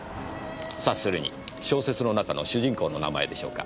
察するに小説の中の主人公の名前でしょうか？